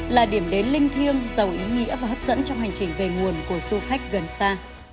là điểm đến linh thiêng giàu ý nghĩa và hấp dẫn trong hành trình về nguồn của du khách gần xa